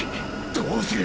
どうする？